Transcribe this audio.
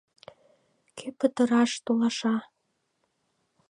— Кӧ пытараш толаша?